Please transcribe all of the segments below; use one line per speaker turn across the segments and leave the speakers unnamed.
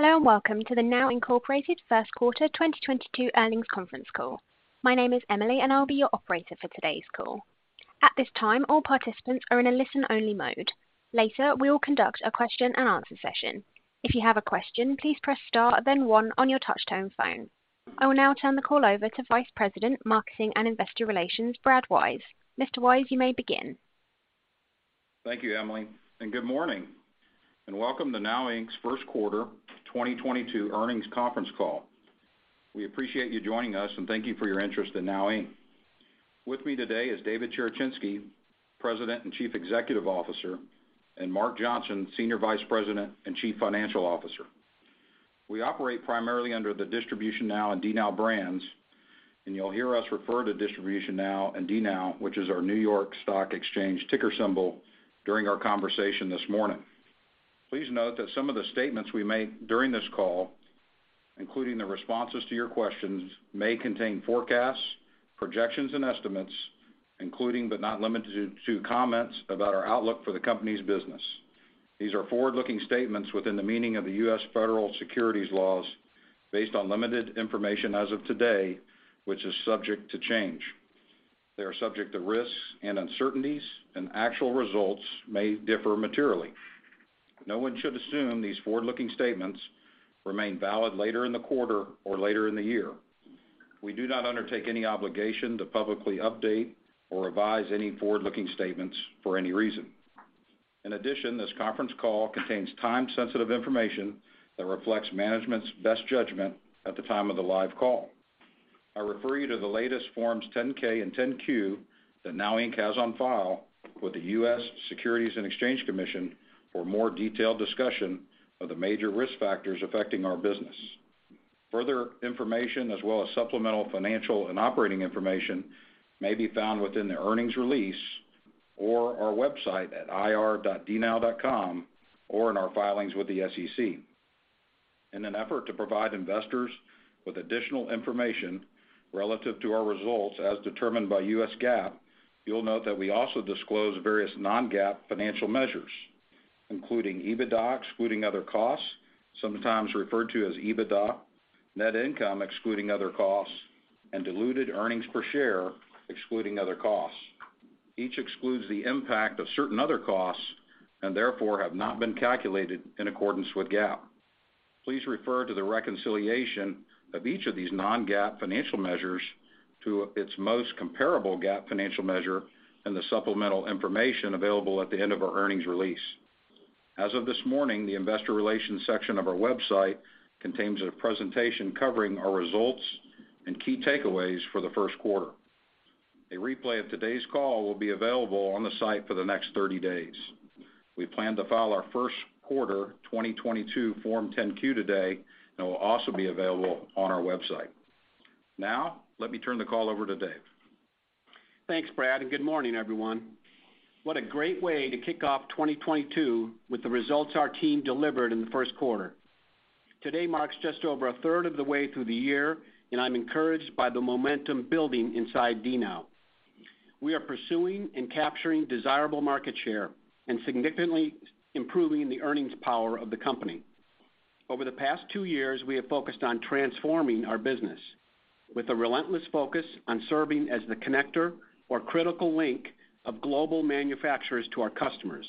Hello, and welcome to the NOW Inc. first quarter 2022 earnings conference call. My name is Emily, and I'll be your operator for today's call. At this time, all participants are in a listen-only mode. Later, we will conduct a question-and-answer session. If you have a question, please press Star, then one on your touchtone phone. I will now turn the call over to Vice President, Marketing and Investor Relations, Brad Wise. Mr. Wise, you may begin.
Thank you, Emily, and good morning. Welcome to DNOW Inc.'s first quarter 2022 earnings conference call. We appreciate you joining us, and thank you for your interest in DNOW Inc. With me today is David Cherechinsky, President and Chief Executive Officer, and Mark Johnson, Senior Vice President and Chief Financial Officer. We operate primarily under the DistributionNOW and DNOW brands, and you'll hear us refer to DistributionNOW and DNOW, which is our New York Stock Exchange ticker symbol during our conversation this morning. Please note that some of the statements we make during this call, including the responses to your questions, may contain forecasts, projections, and estimates, including but not limited to comments about our outlook for the company's business. These are forward-looking statements within the meaning of the U.S. Federal Securities laws based on limited information as of today, which is subject to change. They are subject to risks and uncertainties, and actual results may differ materially. No one should assume these forward-looking statements remain valid later in the quarter or later in the year. We do not undertake any obligation to publicly update or revise any forward-looking statements for any reason. In addition, this conference call contains time-sensitive information that reflects management's best judgment at the time of the live call. I refer you to the latest Forms 10-K and 10-Q that DNOW Inc. has on file with the U.S. Securities and Exchange Commission for more detailed discussion of the major risk factors affecting our business. Further information as well as supplemental financial and operating information may be found within the earnings release or our website at ir.dnow.com or in our filings with the SEC. In an effort to provide investors with additional information relative to our results as determined by U.S. GAAP, you'll note that we also disclose various non-GAAP financial measures, including EBITDA excluding other costs, sometimes referred to as EBITDA, net income excluding other costs, and diluted earnings per share excluding other costs. Each excludes the impact of certain other costs and therefore have not been calculated in accordance with GAAP. Please refer to the reconciliation of each of these non-GAAP financial measures to its most comparable GAAP financial measure and the supplemental information available at the end of our earnings release. As of this morning, the investor relations section of our website contains a presentation covering our results and key takeaways for the first quarter. A replay of today's call will be available on the site for the next 30 days. We plan to file our first quarter 2022 Form 10-Q today that will also be available on our website. Now, let me turn the call over to Dave.
Thanks, Brad, and good morning, everyone. What a great way to kick off 2022 with the results our team delivered in the first quarter. Today marks just over a third of the way through the year, and I'm encouraged by the momentum building inside DNOW. We are pursuing and capturing desirable market share and significantly improving the earnings power of the company. Over the past two years, we have focused on transforming our business with a relentless focus on serving as the connector or critical link of global manufacturers to our customers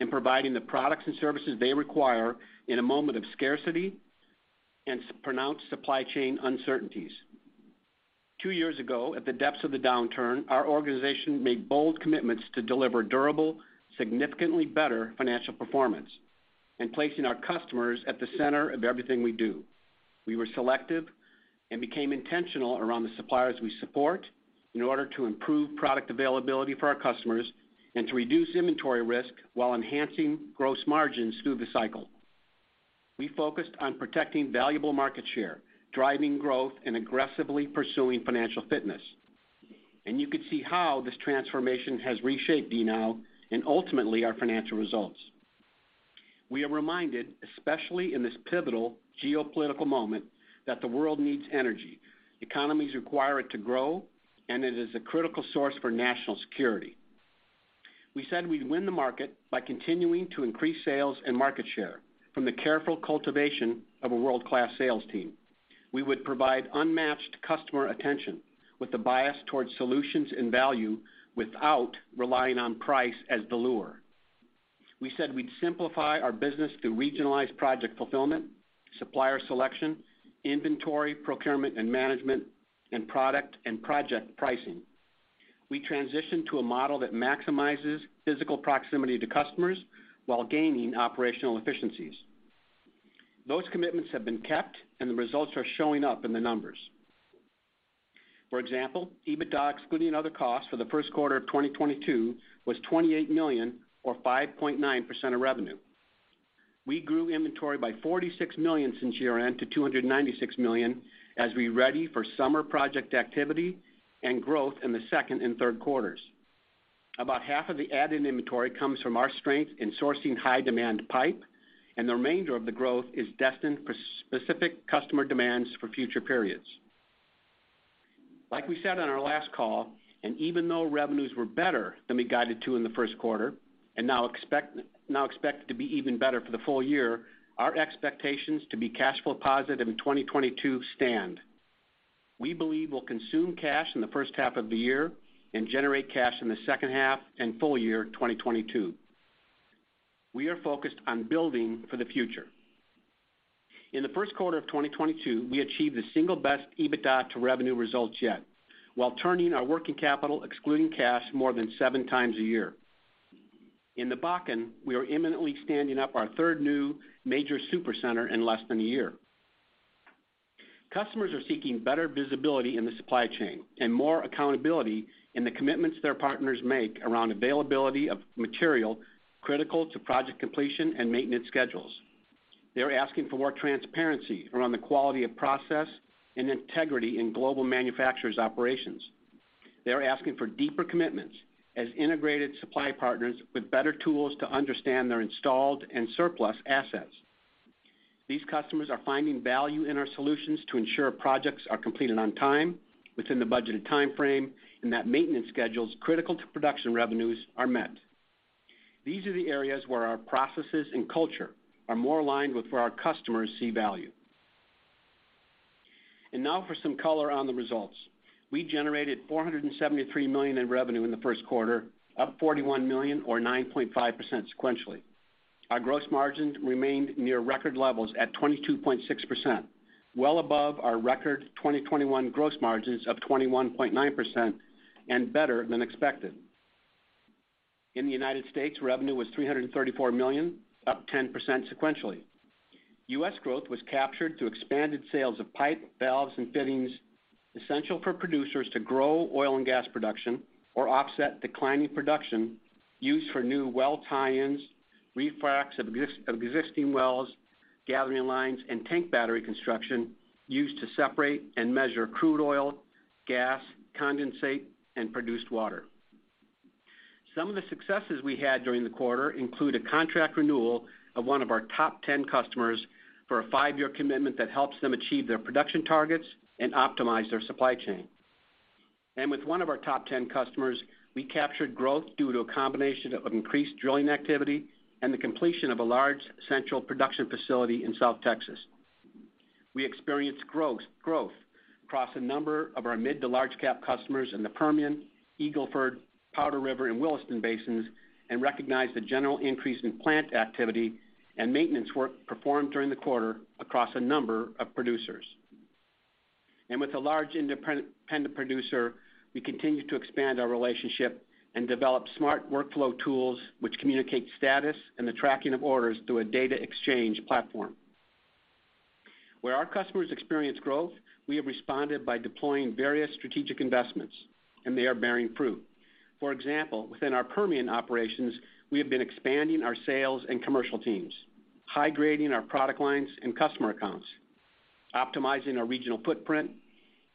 and providing the products and services they require in a moment of scarcity and supply chain uncertainties. Two years ago, at the depths of the downturn, our organization made bold commitments to deliver durable, significantly better financial performance and placing our customers at the center of everything we do. We were selective and became intentional around the suppliers we support in order to improve product availability for our customers and to reduce inventory risk while enhancing gross margins through the cycle. We focused on protecting valuable market share, driving growth, and aggressively pursuing financial fitness. You could see how this transformation has reshaped DNOW and ultimately our financial results. We are reminded, especially in this pivotal geopolitical moment, that the world needs energy. Economies require it to grow, and it is a critical source for national security. We said we'd win the market by continuing to increase sales and market share from the careful cultivation of a world-class sales team. We would provide unmatched customer attention with a bias towards solutions and value without relying on price as the lure. We said we'd simplify our business through regionalized project fulfillment, supplier selection, inventory, procurement and management, and product and project pricing. We transitioned to a model that maximizes physical proximity to customers while gaining operational efficiencies. Those commitments have been kept, and the results are showing up in the numbers. For example, EBITDA excluding other costs for the first quarter of 2022 was $28 million or 5.9% of revenue. We grew inventory by $46 million since year-end to $296 million as we ready for summer project activity and growth in the second and third quarters. About 1/2 of the added inventory comes from our strength in sourcing high-demand pipe, and the remainder of the growth is destined for specific customer demands for future periods. Like we said on our last call, and even though revenues were better than we guided to in the first quarter, and now expected to be even better for the full year, our expectations to be cash flow positive in 2022 stand. We believe we'll consume cash in the first half of the year and generate cash in H2 and full year 2022. We are focused on building for the future. In the first quarter of 2022, we achieved the single best EBITDA to revenue results yet while turning our working capital, excluding cash, more than 7X a year. In the Bakken, we are imminently standing up our third new major Supercenter in less than a year. Customers are seeking better visibility in the supply chain and more accountability in the commitments their partners make around availability of material critical to project completion and maintenance schedules. They're asking for more transparency around the quality of process and integrity in global manufacturers' operations. They're asking for deeper commitments as integrated supply partners with better tools to understand their installed and surplus assets. These customers are finding value in our solutions to ensure projects are completed on time, within the budgeted time frame, and that maintenance schedules critical to production revenues are met. These are the areas where our processes and culture are more aligned with where our customers see value. Now for some color on the results. We generated $473 million in revenue in the first quarter, up $41 million or 9.5% sequentially. Our gross margins remained near record levels at 22.6%, well above our record 2021 gross margins of 21.9% and better than expected. In the United States, revenue was $334 million, up 10% sequentially. U.S. growth was captured through expanded sales of pipe, valves, and fittings, essential for producers to grow oil and gas production or offset declining production used for new well tie-ins, refracs of existing wells, gathering lines, and tank battery construction used to separate and measure crude oil, gas, condensate, and produced water. Some of the successes we had during the quarter include a contract renewal of one of our top 10 customers for a five-year commitment that helps them achieve their production targets and optimize their supply chain. With one of our top 10 customers, we captured growth due to a combination of increased drilling activity and the completion of a large central production facility in South Texas. We experienced gross growth across a number of our mid- to large-cap customers in the Permian, Eagle Ford, Powder River, and Williston Basins, and recognized the general increase in plant activity and maintenance work performed during the quarter across a number of producers. With a large independent producer, we continue to expand our relationship and develop smart workflow tools which communicate status and the tracking of orders through a data exchange platform. Where our customers experience growth, we have responded by deploying various strategic investments, and they are bearing fruit. For example, within our Permian operations, we have been expanding our sales and commercial teams, high-grading our product lines and customer accounts, optimizing our regional footprint,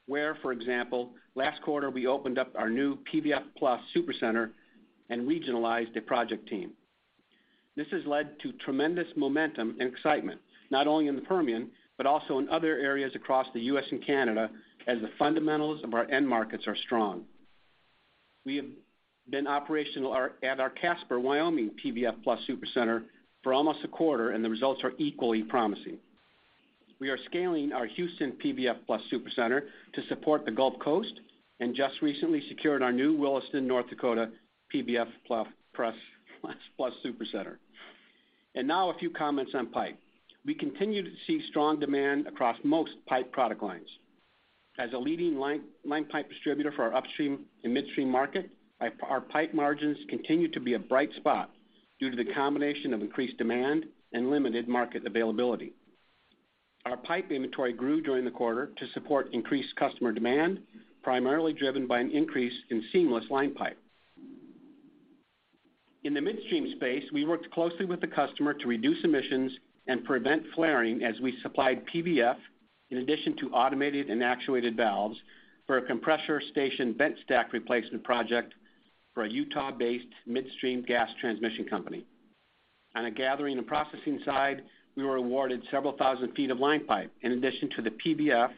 where, for example, last quarter we opened up our new PVF+ Supercenter and regionalized a project team. This has led to tremendous momentum and excitement, not only in the Permian, but also in other areas across the U.S. and Canada, as the fundamentals of our end markets are strong. We have been operational at our Casper, Wyoming, PVF+ Supercenter for almost a quarter, and the results are equally promising. We are scaling our Houston PVF+ Supercenter to support the Gulf Coast and just recently secured our new Williston, North Dakota, PVF+ Supercenter. Now a few comments on pipe. We continue to see strong demand across most pipe product lines. As a leading line pipe distributor for our upstream and midstream market, our pipe margins continue to be a bright spot due to the combination of increased demand and limited market availability. Our pipe inventory grew during the quarter to support increased customer demand, primarily driven by an increase in seamless line pipe. In the midstream space, we worked closely with the customer to reduce emissions and prevent flaring as we supplied PVF in addition to automated and actuated valves for a compressor station vent stack replacement project for a Utah-based midstream gas transmission company. On a gathering and processing side, we were awarded several thousand feet of line pipe in addition to the PVF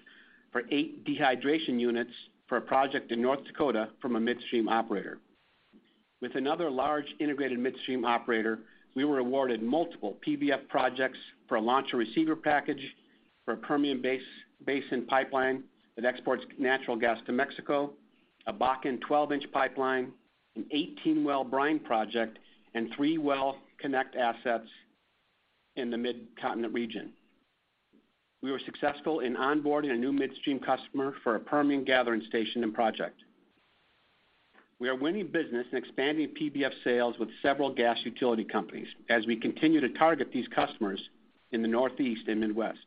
for eight dehydration units for a project in North Dakota from a midstream operator. With another large integrated midstream operator, we were awarded multiple PVF projects for a launcher receiver package for a Permian Basin pipeline that exports natural gas to Mexico, a Bakken 12-inch pipeline, an 18-well brine project, and three well connect assets in the Midcontinent region. We were successful in onboarding a new midstream customer for a Permian gathering station and project. We are winning business and expanding PVF sales with several gas utility companies as we continue to target these customers in the Northeast and Midwest.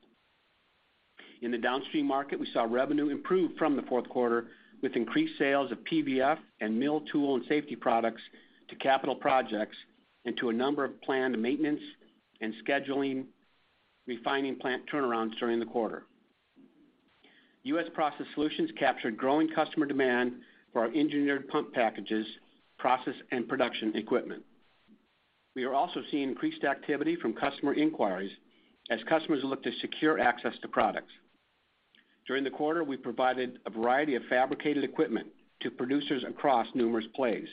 In the downstream market, we saw revenue improve from the fourth quarter with increased sales of PVF and mill tool and safety products to capital projects and to a number of planned maintenance and scheduled refining plant turnarounds during the quarter. U.S. Process Solutions captured growing customer demand for our engineered pump packages, process and production equipment. We are also seeing increased activity from customer inquiries as customers look to secure access to products. During the quarter, we provided a variety of fabricated equipment to producers across numerous plays.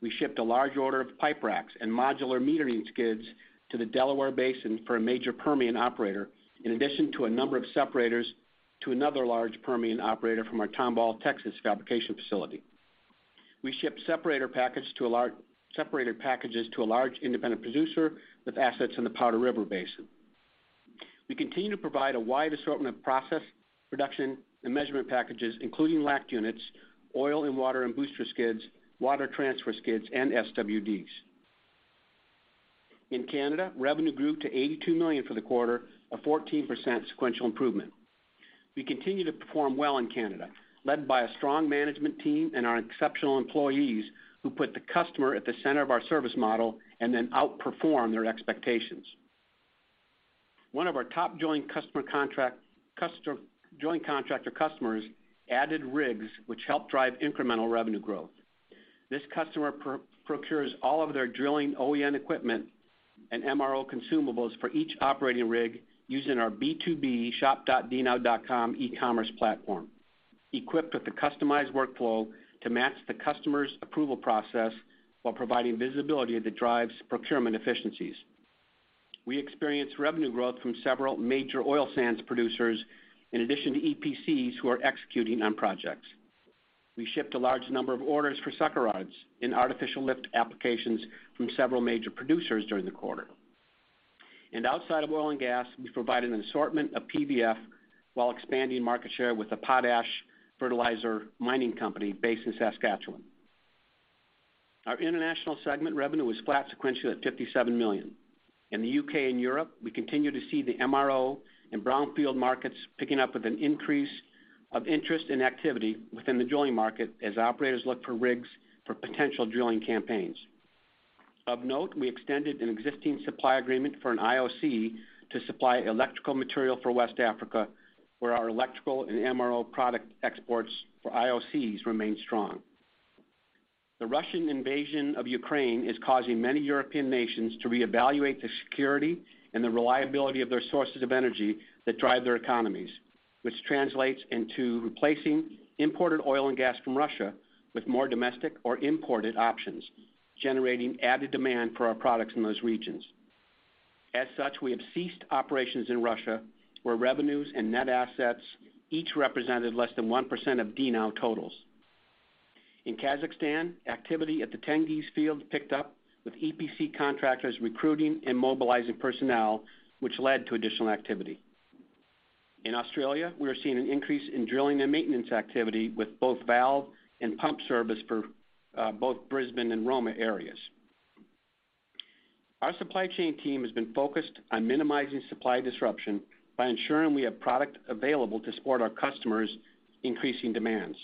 We shipped a large order of pipe racks and modular metering skids to the Delaware Basin for a major Permian operator, in addition to a number of separators to another large Permian operator from our Tomball, Texas, fabrication facility. We shipped separator packages to a large independent producer with assets in the Powder River Basin. We continue to provide a wide assortment of process, production, and measurement packages, including LACT units, oil and water and booster skids, water transfer skids, and SWDs. In Canada, revenue grew to $82 million for the quarter, a 14% sequential improvement. We continue to perform well in Canada, led by a strong management team and our exceptional employees who put the customer at the center of our service model and then outperform their expectations. One of our top joint contractor customers added rigs which help drive incremental revenue growth. This customer procures all of their drilling OEM equipment and MRO consumables for each operating rig using our B2B shop.dnow.com e-commerce platform, equipped with a customized workflow to match the customer's approval process while providing visibility that drives procurement efficiencies. We experienced revenue growth from several major oil sands producers in addition to EPCs who are executing on projects. We shipped a large number of orders for sucker rods in artificial lift applications from several major producers during the quarter. Outside of oil and gas, we provide an assortment of PVF while expanding market share with a potash fertilizer mining company based in Saskatchewan. Our International segment revenue was flat sequentially at $57 million. In the U.K. and Europe, we continue to see the MRO and brownfield markets picking up with an increase of interest and activity within the drilling market as operators look for rigs for potential drilling campaigns. Of note, we extended an existing supply agreement for an IOC to supply electrical material for West Africa, where our electrical and MRO product exports for IOCs remain strong. The Russian invasion of Ukraine is causing many European nations to reevaluate the security and the reliability of their sources of energy that drive their economies, which translates into replacing imported oil and gas from Russia with more domestic or imported options, generating added demand for our products in those regions. As such, we have ceased operations in Russia, where revenues and net assets each represented less than 1% of DNOW totals. In Kazakhstan, activity at the Tengiz field picked up, with EPC contractors recruiting and mobilizing personnel, which led to additional activity. In Australia, we are seeing an increase in drilling and maintenance activity with both valve and pump service for both Brisbane and Roma areas. Our supply chain team has been focused on minimizing supply disruption by ensuring we have product available to support our customers' increasing demands.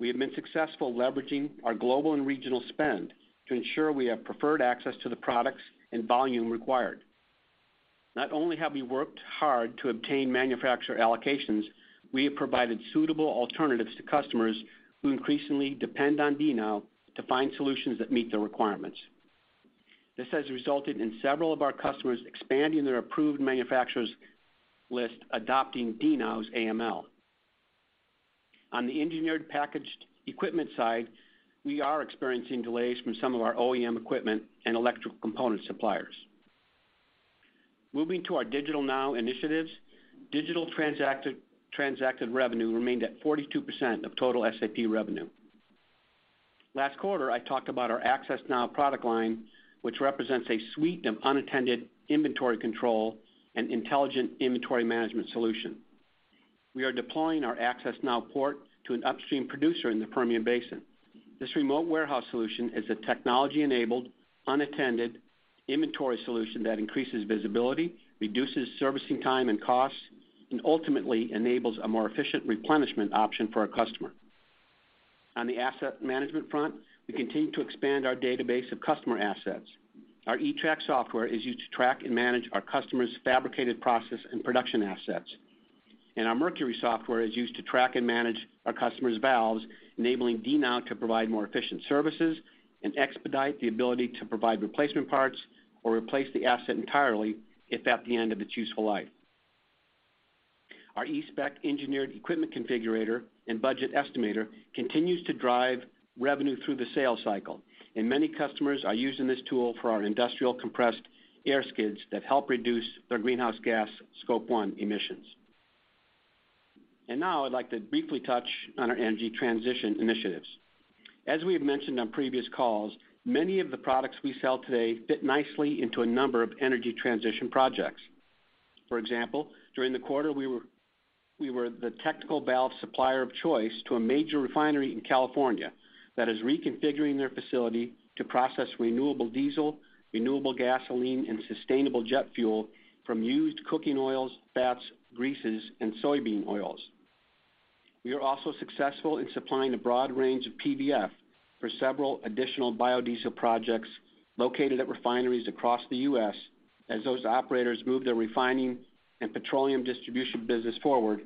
We have been successful leveraging our global and regional spend to ensure we have preferred access to the products and volume required. Not only have we worked hard to obtain manufacturer allocations, we have provided suitable alternatives to customers who increasingly depend on DNOW to find solutions that meet their requirements. This has resulted in several of our customers expanding their approved manufacturers list, adopting DNOW's AML. On the engineered packaged equipment side, we are experiencing delays from some of our OEM equipment and electrical component suppliers. Moving to our DigitalNOW initiatives, digital transacted revenue remained at 42% of total SAP revenue. Last quarter, I talked about our AccessNOW product line, which represents a suite of unattended inventory control and intelligent inventory management solution. We are deploying our AccessNOW portal to an upstream producer in the Permian Basin. This remote warehouse solution is a technology-enabled, unattended inventory solution that increases visibility, reduces servicing time and costs, and ultimately enables a more efficient replenishment option for our customer. On the asset management front, we continue to expand our database of customer assets. Our eTrack software is used to track and manage our customers' fabricated process and production assets. Our Mercury software is used to track and manage our customers' valves, enabling DNOW to provide more efficient services and expedite the ability to provide replacement parts or replace the asset entirely if at the end of its useful life. Our eSpec engineered equipment configurator and budget estimator continues to drive revenue through the sales cycle, and many customers are using this tool for our industrial compressed air skids that help reduce their greenhouse gas Scope 1 emissions. Now I'd like to briefly touch on our energy transition initiatives. As we have mentioned on previous calls, many of the products we sell today fit nicely into a number of energy transition projects. For example, during the quarter, we were the technical valve supplier of choice to a major refinery in California that is reconfiguring their facility to process renewable diesel, renewable gasoline, and sustainable jet fuel from used cooking oils, fats, greases, and soybean oils. We are also successful in supplying a broad range of PVF for several additional biodiesel projects located at refineries across the U.S. as those operators move their refining and petroleum distribution business forward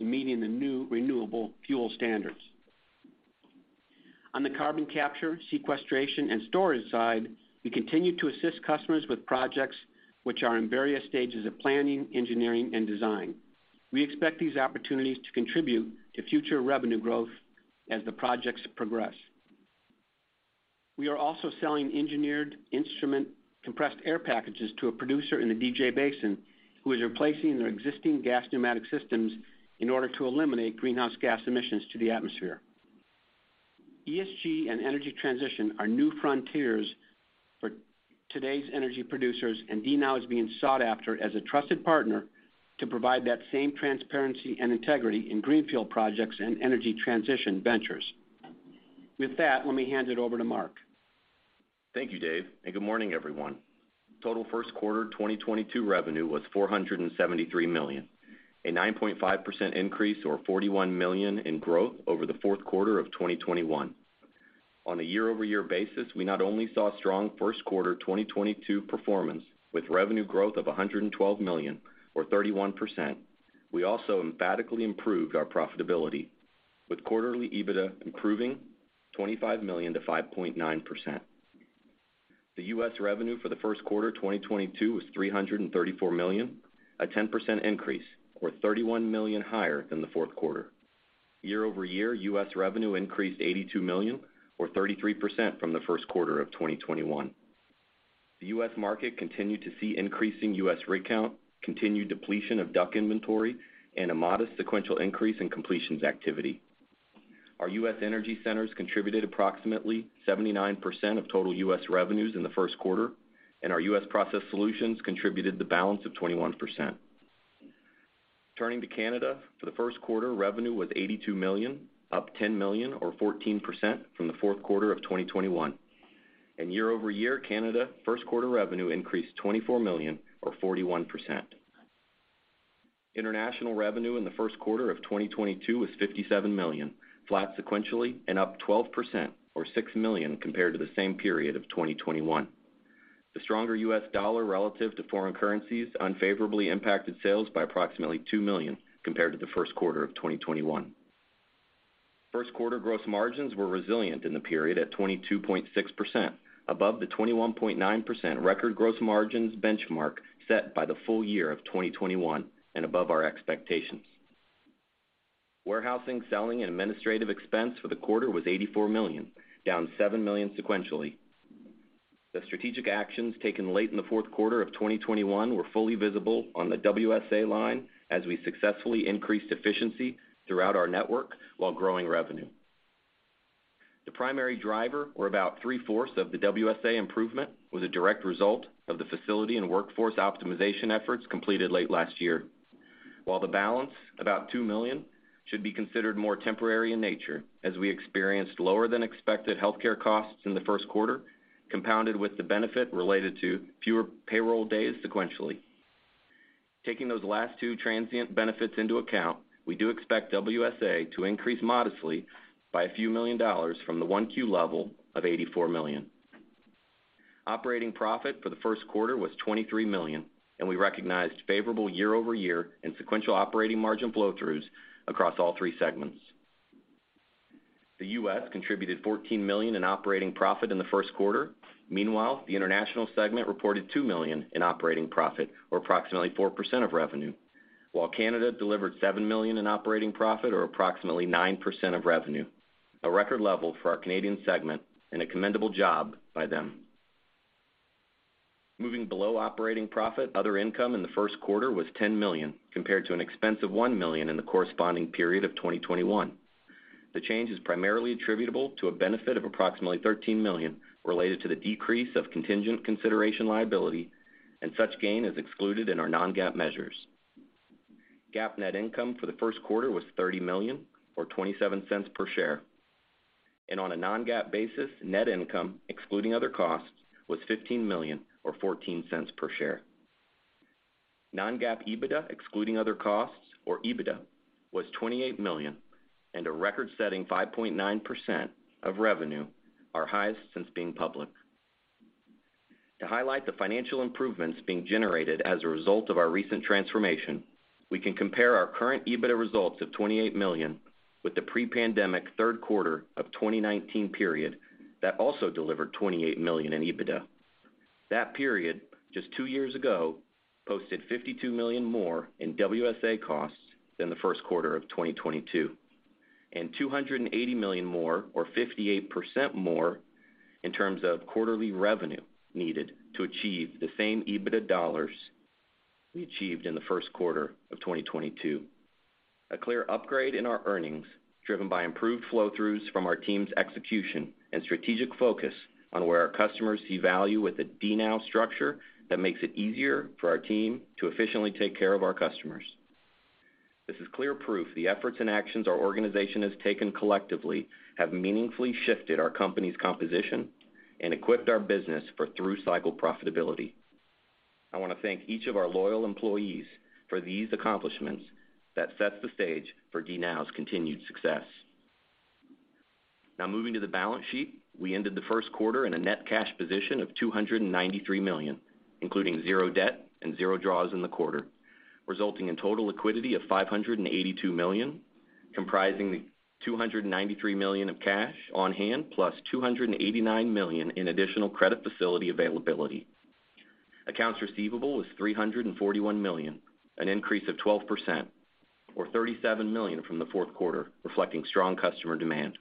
in meeting the new renewable fuel standards. On the carbon capture, sequestration, and storage side, we continue to assist customers with projects which are in various stages of planning, engineering, and design. We expect these opportunities to contribute to future revenue growth as the projects progress. We are also selling engineered instrument compressed air packages to a producer in the DJ basin who is replacing their existing gas pneumatic systems in order to eliminate greenhouse gas emissions to the atmosphere. ESG and energy transition are new frontiers for today's energy producers, and DNOW is being sought after as a trusted partner to provide that same transparency and integrity in greenfield projects and energy transition ventures. With that, let me hand it over to Mark.
Thank you, David, and good morning, everyone. Total first quarter 2022 revenue was $473 million, a 9.5% increase or $41 million in growth over the fourth quarter of 2021. On a year-over-year basis, we not only saw strong first quarter 2022 performance with revenue growth of $112 million or 31%. We also emphatically improved our profitability, with quarterly EBITDA improving $25 million to 5.9%. The U.S. revenue for the first quarter 2022 was $334 million, a 10% increase or $31 million higher than the fourth quarter. Year-over-year, U.S. revenue increased $82 million or 33% from the first quarter of 2021. The U.S. market continued to see increasing U.S. rig count, continued depletion of DUC inventory, and a modest sequential increase in completions activity. Our U.S. energy centers contributed approximately 79% of total U.S. revenues in the first quarter, and our U.S. Process Solutions contributed the balance of 21%. Turning to Canada, for the first quarter, revenue was $82 million, up $10 million or 14% from the fourth quarter of 2021. Year-over-year, Canada first quarter revenue increased $24 million or 41%. International revenue in the first quarter of 2022 was $57 million, flat sequentially and up 12% or $6 million compared to the same period of 2021. The stronger U.S. dollar relative to foreign currencies unfavorably impacted sales by approximately $2 million compared to the first quarter of 2021. First quarter gross margins were resilient in the period at 22.6%, above the 21.9% record gross margins benchmark set by the full year of 2021 and above our expectations. Warehousing, selling, and administrative expense for the quarter was $84 million, down $7 million sequentially. The strategic actions taken late in the fourth quarter of 2021 were fully visible on the WS&A line as we successfully increased efficiency throughout our network while growing revenue. The primary driver, or about three-fourths of the WS&A improvement, was a direct result of the facility and workforce optimization efforts completed late last year. While the balance, about $2 million, should be considered more temporary in nature as we experienced lower than expected healthcare costs in the first quarter, compounded with the benefit related to fewer payroll days sequentially. Taking those last two transient benefits into account, we do expect WSA to increase modestly by a few million from the 1Q level of $84 million. Operating profit for the first quarter was $23 million, and we recognized favorable year-over-year and sequential operating margin flow-throughs across all three segments. The U.S. contributed $14 million in operating profit in the first quarter. Meanwhile, the international segment reported $2 million in operating profit, or approximately 4% of revenue, while Canada delivered $7 million in operating profit, or approximately 9% of revenue, a record level for our Canadian segment and a commendable job by them. Moving below operating profit, other income in the first quarter was $10 million, compared to an expense of $1 million in the corresponding period of 2021. The change is primarily attributable to a benefit of approximately $13 million related to the decrease of contingent consideration liability, and such gain is excluded in our non-GAAP measures. GAAP net income for the first quarter was $30 million or $0.27 per share. On a non-GAAP basis, net income excluding other costs was $15 million or $0.14 per share. Non-GAAP EBITDA excluding other costs or EBITDA was $28 million and a record-setting 5.9% of revenue, our highest since being public. To highlight the financial improvements being generated as a result of our recent transformation, we can compare our current EBITDA results of $28 million with the pre-pandemic third quarter of 2019 period that also delivered $28 million in EBITDA. That period, just two years ago, posted $52 million more in WSA costs than the first quarter of 2022, and $280 million more or 58% more in terms of quarterly revenue needed to achieve the same EBITDA dollars we achieved in the first quarter of 2022. A clear upgrade in our earnings, driven by improved flow throughs from our team's execution and strategic focus on where our customers see value with the DNOW structure that makes it easier for our team to efficiently take care of our customers. This is clear proof the efforts and actions our organization has taken collectively have meaningfully shifted our company's composition and equipped our business for through-cycle profitability. I wanna thank each of our loyal employees for these accomplishments that sets the stage for DNOW's continued success. Now moving to the balance sheet, we ended the first quarter in a net cash position of $293 million, including zero debt and zero draws in the quarter, resulting in total liquidity of $582 million, comprising the $293 million of cash on hand, +$289 million in additional credit facility availability. Accounts receivable was $341 million, an increase of 12% or $37 million from the fourth quarter, reflecting strong customer demand.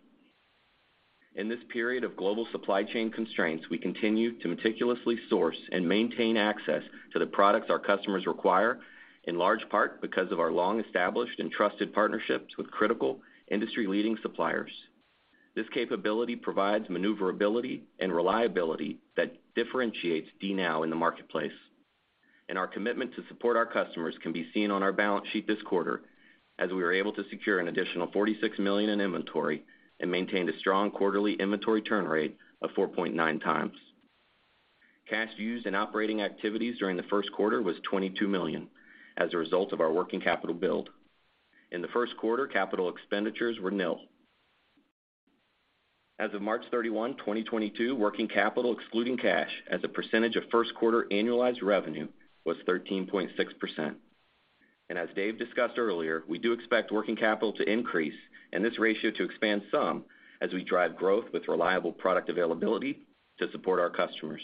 In this period of global supply chain constraints, we continue to meticulously source and maintain access to the products our customers require, in large part because of our long established and trusted partnerships with critical industry-leading suppliers. This capability provides maneuverability and reliability that differentiates DNOW in the marketplace. Our commitment to support our customers can be seen on our balance sheet this quarter as we were able to secure an additional $46 million in inventory and maintained a strong quarterly inventory turn rate of 4.9x. Cash used in operating activities during the first quarter was $22 million as a result of our working capital build. In the first quarter, capital expenditures were nil. As of March 31, 2022, working capital excluding cash as a percentage of first quarter annualized revenue was 13.6%. As Dave discussed earlier, we do expect working capital to increase and this ratio to expand some as we drive growth with reliable product availability to support our customers.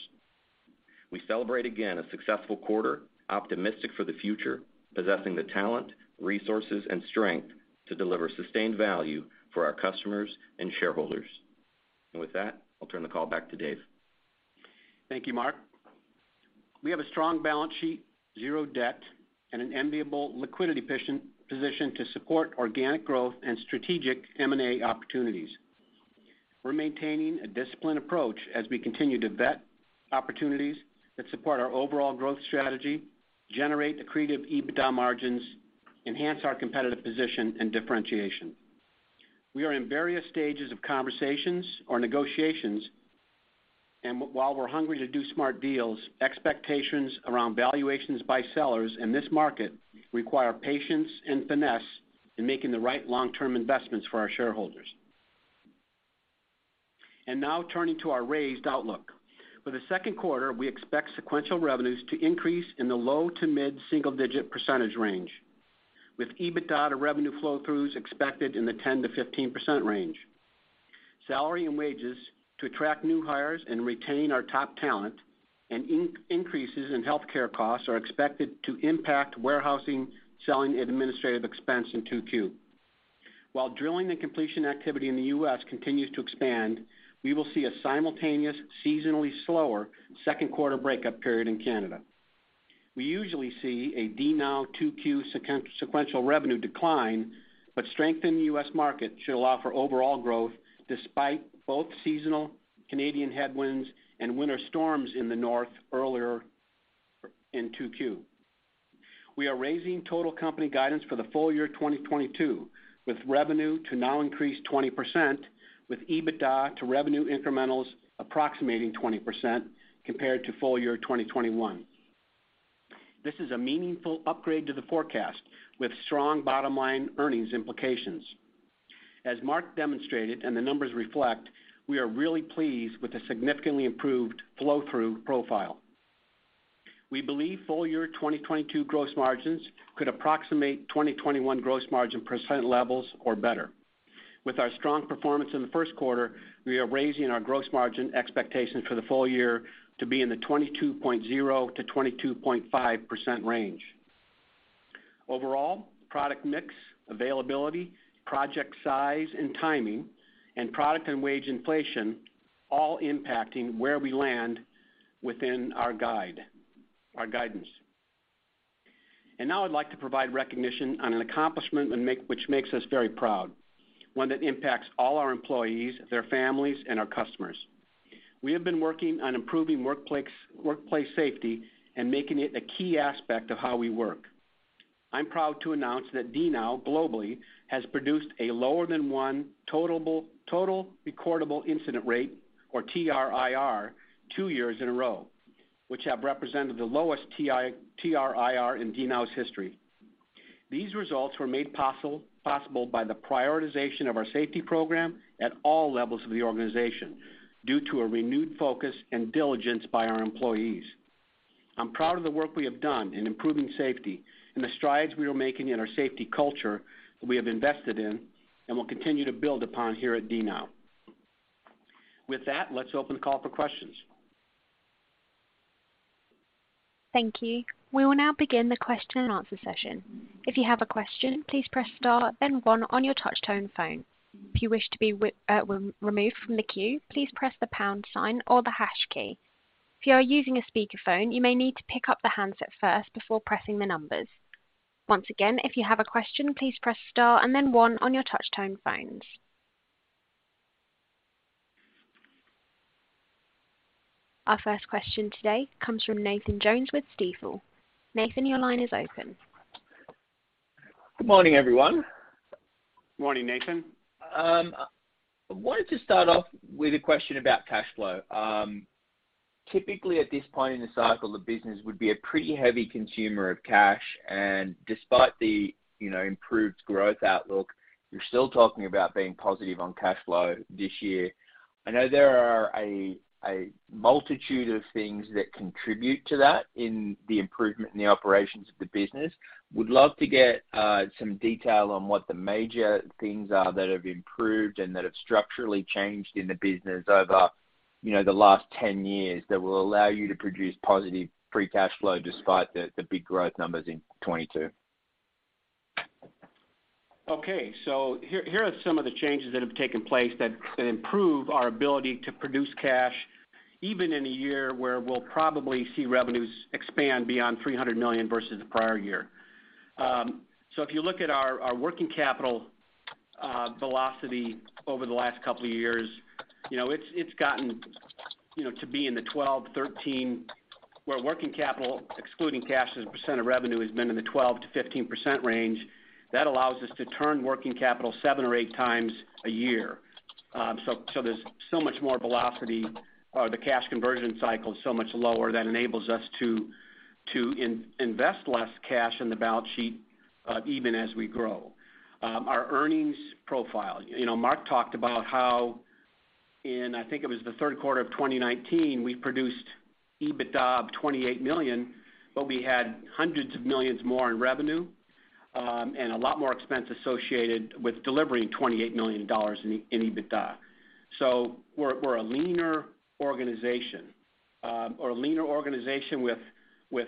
We celebrate again a successful quarter, optimistic for the future, possessing the talent, resources, and strength to deliver sustained value for our customers and shareholders. With that, I'll turn the call back to Dave.
Thank you, Mark. We have a strong balance sheet, zero debt, and an enviable liquidity position to support organic growth and strategic M&A opportunities. We're maintaining a disciplined approach as we continue to vet opportunities that support our overall growth strategy, generate accretive EBITDA margins, enhance our competitive position and differentiation. We are in various stages of conversations or negotiations. While we're hungry to do smart deals, expectations around valuations by sellers in this market require patience and finesse in making the right long-term investments for our shareholders. Now turning to our raised outlook. For the second quarter, we expect sequential revenues to increase in the low to mid single-digit % range, with EBITDA to revenue flow-throughs expected in the 10%-15% range. Salary and wages to attract new hires and retain our top talent and increases in health care costs are expected to impact warehousing, selling, and administrative expense in 2Q. While drilling and completion activity in the U.S. continues to expand, we will see a simultaneous seasonally slower second quarter breakup period in Canada. We usually see a DNOW 2Q sequential revenue decline, but strength in the U.S. market should allow for overall growth despite both seasonal Canadian headwinds and winter storms in the North earlier in 2Q. We are raising total company guidance for the full year 2022, with revenue to now increase 20%, with EBITDA to revenue incrementals approximating 20% compared to full year 2021. This is a meaningful upgrade to the forecast with strong bottom line earnings implications. As Mark demonstrated and the numbers reflect, we are really pleased with the significantly improved flow-through profile. We believe full year 2022 gross margins could approximate 2021 gross margin % levels or better. With our strong performance in the first quarter, we are raising our gross margin expectations for the full year to be in the 22.0%-22.5% range. Overall, product mix, availability, project size and timing, and product and wage inflation all impacting where we land within our guide, our guidance. Now I'd like to provide recognition on an accomplishment which makes us very proud, one that impacts all our employees, their families, and our customers. We have been working on improving workplace safety and making it a key aspect of how we work. I'm proud to announce that DNOW globally has produced a lower than 1 total recordable incident rate or TRIR 2 years in a row, which have represented the lowest TRIR in DNOW's history. These results were made possible by the prioritization of our safety program at all levels of the organization due to a renewed focus and diligence by our employees. I'm proud of the work we have done in improving safety and the strides we are making in our safety culture we have invested in and will continue to build upon here at DNOW. With that, let's open the call for questions.
Thank you. We will now begin the question and answer session. If you have a question, please press star then one on your touch tone phone. If you wish to be removed from the queue, please press the pound sign or the hash key. If you are using a speakerphone, you may need to pick up the handset first before pressing the numbers. Once again, if you have a question, please press star and then one on your touch tone phones. Our first question today comes from Nathan Jones with Stifel. Nathan, your line is open.
Good morning, everyone.
Morning, Nathan.
I wanted to start off with a question about cash flow. Typically, at this point in the cycle, the business would be a pretty heavy consumer of cash, and despite the, you know, improved growth outlook, you're still talking about being positive on cash flow this year. I know there are a multitude of things that contribute to that in the improvement in the operations of the business. Would love to get some detail on what the major things are that have improved and that have structurally changed in the business over, you know, the last 10 years that will allow you to produce positive free cash flow despite the big growth numbers in 2022.
Okay. Here are some of the changes that have taken place that improve our ability to produce cash even in a year where we'll probably see revenues expand beyond $300 million versus the prior year. If you look at our working capital velocity over the last couple of years, you know, it's gotten to where working capital, excluding cash as a % of revenue, has been in the 12%-15% range. That allows us to turn working capital 7x or 8x a year. There's so much more velocity, or the cash conversion cycle is so much lower, that enables us to invest less cash in the balance sheet, even as we grow our earnings profile. You know, Mark talked about how, I think it was the third quarter of 2019, we produced EBITDA of $28 million, but we had hundreds of millions more in revenue, and a lot more expense associated with delivering $28 million in EBITDA. We're a leaner organization, or a leaner organization with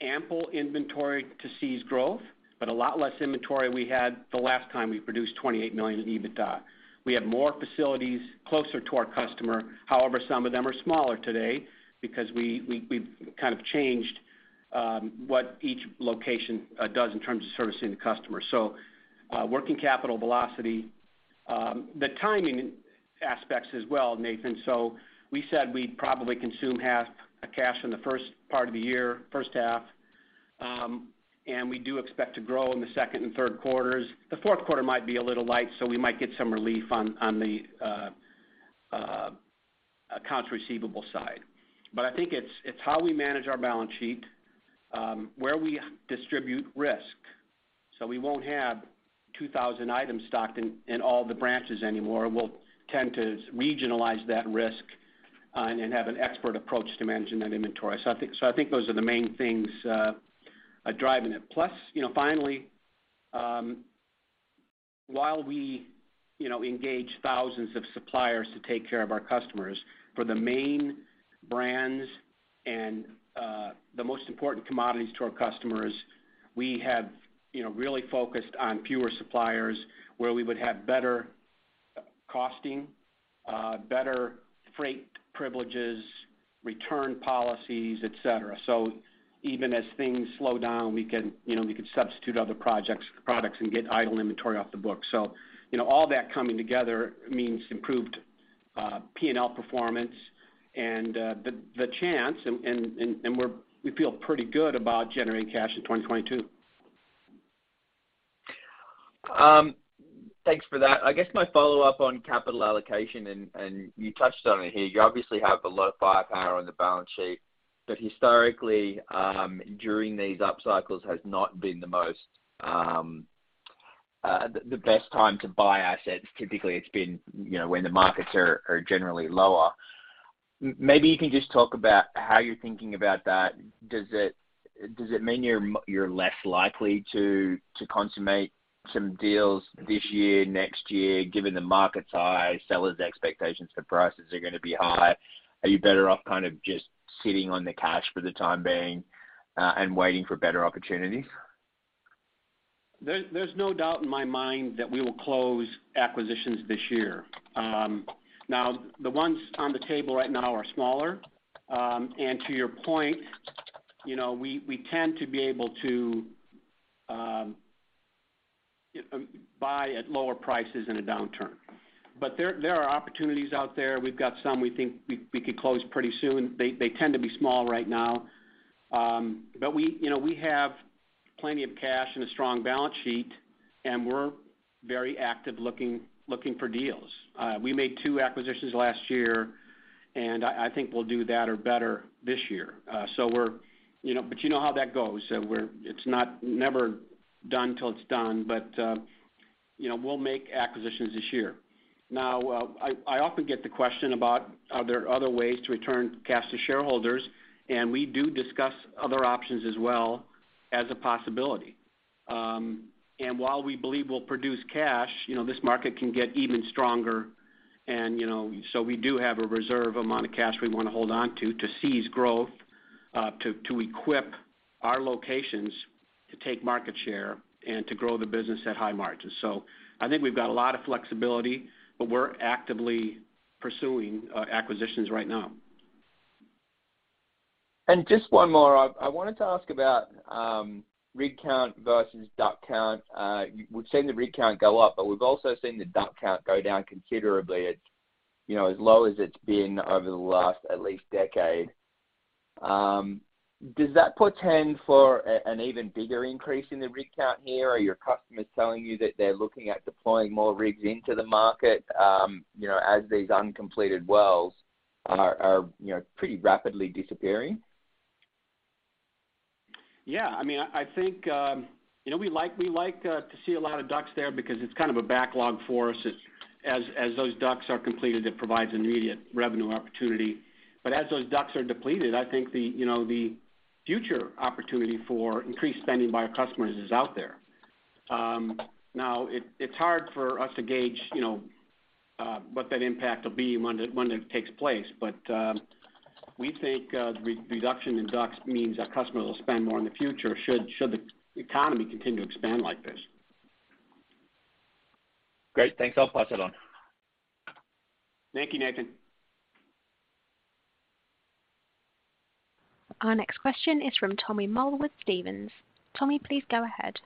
ample inventory to seize growth, but a lot less inventory we had the last time we produced $28 million in EBITDA. We have more facilities closer to our customer. However, some of them are smaller today because we've kind of changed what each location does in terms of servicing the customer. Working capital velocity. The timing aspects as well, Nathan. We said we'd probably consume half of cash in the first part of the year, first half, and we do expect to grow in the second and third quarters. The fourth quarter might be a little light, so we might get some relief on the accounts receivable side. But I think it's how we manage our balance sheet, where we distribute risk, so we won't have 2,000 items stocked in all the branches anymore. We'll tend to regionalize that risk and have an expert approach to managing that inventory. I think those are the main things driving it. Plus, you know, finally, while we, you know, engage thousands of suppliers to take care of our customers, for the main brands and the most important commodities to our customers, we have, you know, really focused on fewer suppliers where we would have better costing, better freight privileges, return policies, et cetera. Even as things slow down, we can, you know, substitute other products and get idle inventory off the books. You know, all that coming together means improved P&L performance and the chance and we feel pretty good about generating cash in 2022.
Thanks for that. I guess my follow-up on capital allocation, and you touched on it here, you obviously have a lot of firepower on the balance sheet, but historically, during these upcycles has not been the most, the best time to buy assets. Typically, it's been, you know, when the markets are generally lower. Maybe you can just talk about how you're thinking about that. Does it mean you're less likely to consummate some deals this year, next year, given the market's high, sellers' expectations for prices are gonna be high? Are you better off kind of just sitting on the cash for the time being, and waiting for better opportunities?
There's no doubt in my mind that we will close acquisitions this year. Now, the ones on the table right now are smaller. To your point, you know, we tend to be able to buy at lower prices in a downturn. There are opportunities out there. We've got some we think we could close pretty soon. They tend to be small right now. We, you know, have plenty of cash and a strong balance sheet, and we're very active looking for deals. We made two acquisitions last year, and I think we'll do that or better this year. You know how that goes. It's not never done till it's done, but you know, we'll make acquisitions this year. Now, I often get the question about are there other ways to return cash to shareholders, and we do discuss other options as well as a possibility. While we believe we'll produce cash, you know, this market can get even stronger and, you know, we do have a reserve amount of cash we wanna hold on to seize growth, to equip our locations to take market share and to grow the business at high margins. I think we've got a lot of flexibility, but we're actively pursuing acquisitions right now.
Just one more. I wanted to ask about rig count versus DUC count. We've seen the rig count go up, but we've also seen the DUC count go down considerably at, you know, as low as it's been over the last at least decade. Does that portend for an even bigger increase in the rig count here? Are your customers telling you that they're looking at deploying more rigs into the market, you know, as these uncompleted wells are you know, pretty rapidly disappearing?
Yeah. I mean, I think, you know, we like to see a lot of DUCs there because it's kind of a backlog for us. As those DUCs are completed, it provides immediate revenue opportunity. as those DUCs are depleted, I think the, you know, the future opportunity for increased spending by our customers is out there. Now, it's hard for us to gauge, you know, what that impact will be when it takes place. we think, reduction in DUCs means our customers will spend more in the future, should the economy continue to expand like this.
Great. Thanks. I'll pass it on.
Thank you, Nathan.
Our next question is from Tommy Moll with Stephens. Tommy, please go ahead.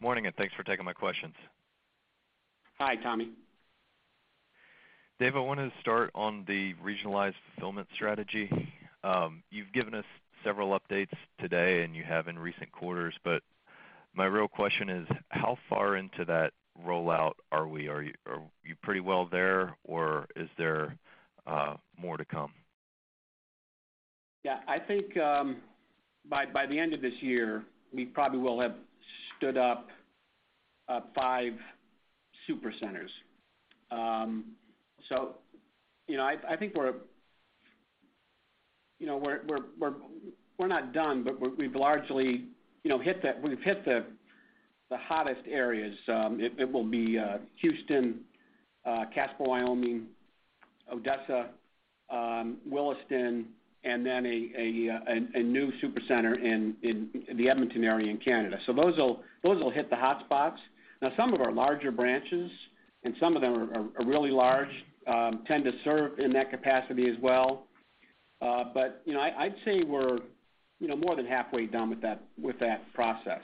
Morning, and thanks for taking my questions.
Hi, Tommy.
David, I wanna start on the regionalized fulfillment strategy. You've given us several updates today, and you have in recent quarters, but my real question is, how far into that rollout are we? Are you pretty well there, or is there more to come?
Yeah. I think by the end of this year, we probably will have stood up 5 super centers. You know, I think we're, you know, not done, but we've largely, you know, hit the hottest areas. It will be Houston, Casper, Wyoming, Odessa, Williston, and then a new super center in the Edmonton area in Canada. Those will hit the hotspots. Now some of our larger branches, and some of them are really large, tend to serve in that capacity as well. You know, I'd say we're, you know, more than halfway done with that process.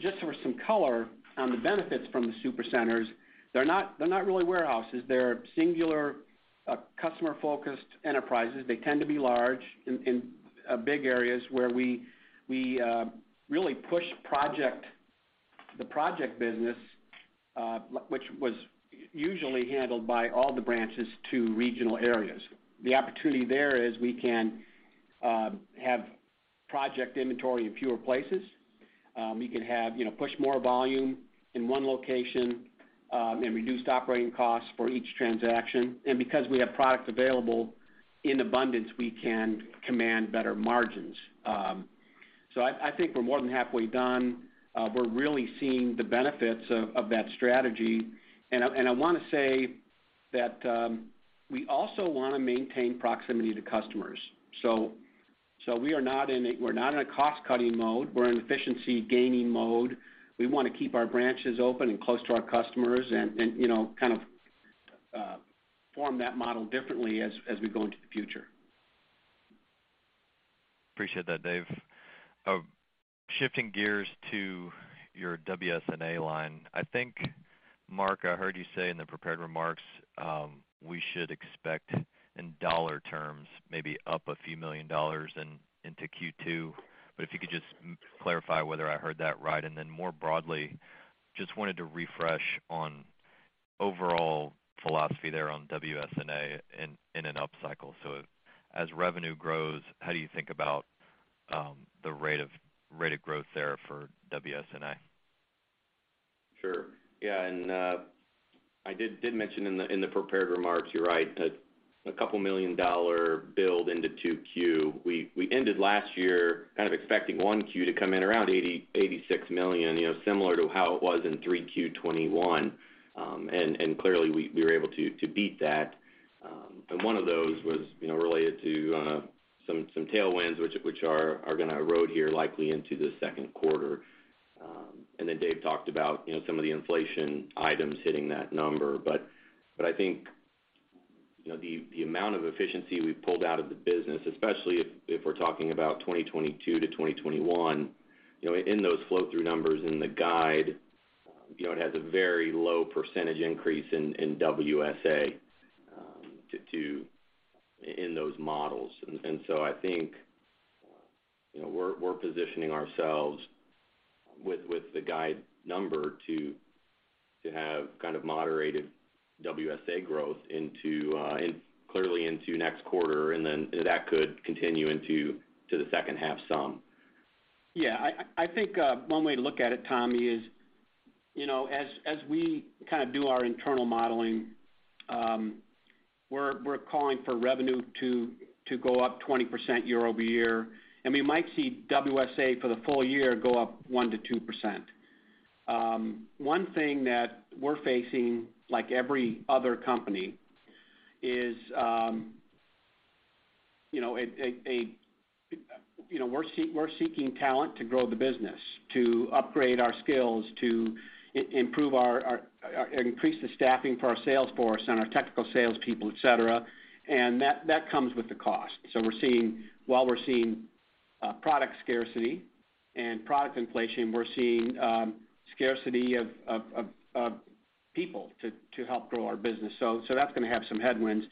Just for some color on the benefits from the super centers, they're not really warehouses. They're singular, customer-focused enterprises. They tend to be large in big areas where we really push the project business, which was usually handled by all the branches to regional areas. The opportunity there is we can have project inventory in fewer places. We can have, you know, push more volume in one location, and reduced operating costs for each transaction. Because we have product available in abundance, we can command better margins. I think we're more than halfway done. We're really seeing the benefits of that strategy. I wanna say that we also wanna maintain proximity to customers. We are not in a cost-cutting mode. We're in efficiency gaining mode. We wanna keep our branches open and close to our customers and, you know, kind of form that model differently as we go into the future.
Appreciate that, Dave. Shifting gears to your WSA line. I think, Mark, I heard you say in the prepared remarks, we should expect in dollar terms, maybe up a few million dollars into Q2. But if you could just clarify whether I heard that right. Then more broadly, just wanted to refresh on overall philosophy there on WSA in an upcycle. As revenue grows, how do you think about the rate of growth there for WSA?
Sure. Yeah. I did mention in the prepared remarks. You're right, a couple million dollar build into 2Q. We ended last year kind of expecting 1Q to come in around $86 million, you know, similar to how it was in 3Q 2021. Clearly we were able to beat that. One of those was related to some tailwinds which are gonna erode here likely into the second quarter. Then Dave talked about some of the inflation items hitting that number. I think, you know, the amount of efficiency we've pulled out of the business, especially if we're talking about 2022 to 2021, you know, in those flow through numbers in the guide, you know, it has a very low percentage increase in WSA to in those models. So I think, you know, we're positioning ourselves with the guide number to have kind of moderated WSA growth into clearly into next quarter, and then that could continue into the second half some.
Yeah. I think one way to look at it, Tommy, is, you know, as we kind of do our internal modeling, we're calling for revenue to go up 20% year-over-year, and we might see WSA for the full year go up 1%-2%. One thing that we're facing, like every other company, is, you know, we're seeking talent to grow the business, to upgrade our skills, to increase the staffing for our sales force and our technical sales people, et cetera. That comes with the cost. So we're seeing, while we're seeing product scarcity and product inflation. We're seeing scarcity of people to help grow our business. So that's gonna have some headwinds.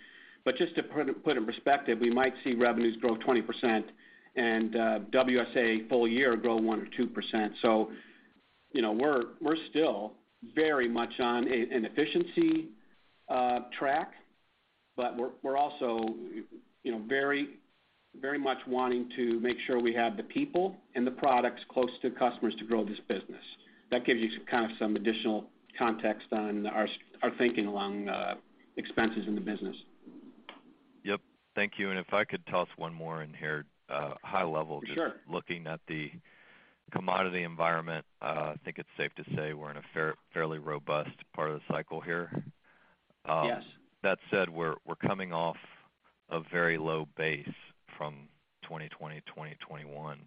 Just to put it in perspective, we might see revenues grow 20% and WSA full year grow 1% or 2%. You know, we're still very much on an efficiency track, but we're also you know very much wanting to make sure we have the people and the products close to customers to grow this business. That gives you kind of some additional context on our thinking along expenses in the business.
Yep. Thank you. If I could toss one more in here, high level.
For sure.
Just looking at the commodity environment, I think it's safe to say we're in a fairly robust part of the cycle here.
Yes.
That said, we're coming off a very low base from 2020, 2021.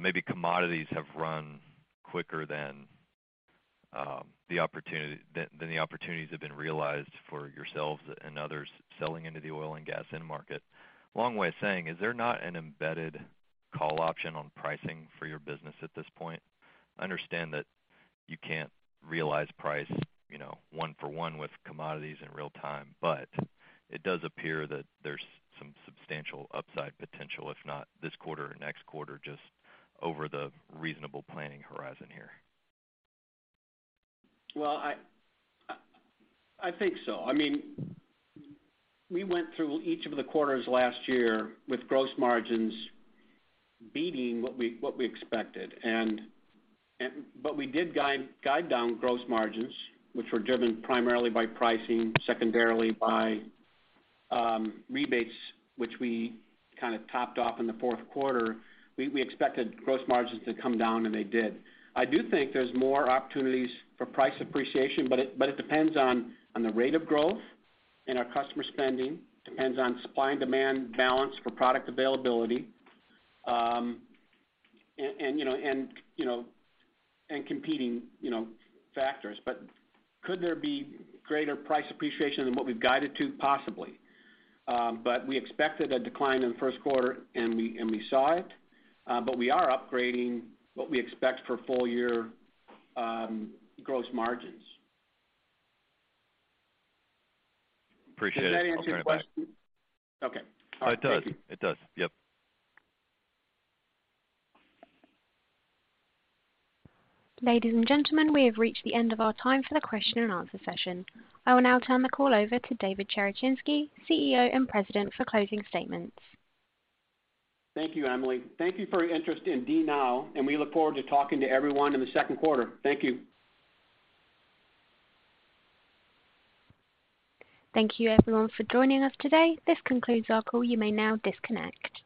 Maybe commodities have run quicker than the opportunities have been realized for yourselves and others selling into the oil and gas end market. Long way of saying, is there not an embedded call option on pricing for your business at this point? I understand that you can't realize price, you know, one for one with commodities in real time, but it does appear that there's some substantial upside potential, if not this quarter or next quarter, just over the reasonable planning horizon here.
Well, I think so. I mean, we went through each of the quarters last year with gross margins beating what we expected, and. We did guide down gross margins, which were driven primarily by pricing, secondarily by rebates, which we kind of topped off in the fourth quarter. We expected gross margins to come down, and they did. I do think there's more opportunities for price appreciation, but it depends on the rate of growth and our customer spending. Depends on supply and demand balance for product availability. You know, and competing, you know, factors. Could there be greater price appreciation than what we've guided to? Possibly. We expected a decline in the first quarter, and we saw it. We are upgrading what we expect for full year, gross margins.
Appreciate it. I'll turn it back.
Does that answer your question? Okay.
It does. Yep.
Ladies and gentlemen, we have reached the end of our time for the question and answer session. I will now turn the call over to David Cherechinsky, CEO and President, for closing statements.
Thank you, Emily. Thank you for your interest in DNOW, and we look forward to talking to everyone in the second quarter. Thank you.
Thank you everyone for joining us today. This concludes our call. You may now disconnect.